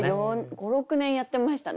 ５６年やってましたね。